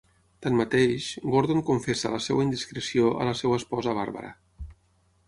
Tanmateix, Gordon confessa la seva indiscreció a la seva esposa Barbara.